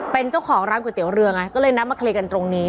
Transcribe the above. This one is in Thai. เป็นเจ้าของร้านก๋วยเตี๋ยวเรือไงก็เลยนัดมาเคลียร์กันตรงนี้